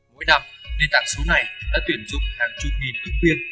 mỗi năm nền tảng số này đã tuyển dụng hàng chục nghìn ứng viên